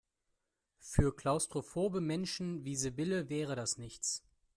Für klaustrophobe Menschen wie Sibylle wäre das nichts.